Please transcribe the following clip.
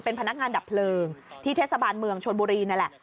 เป็นพนักงานดับเพลิงที่เทศบาลเมืองชนบุรีนั่นแหละ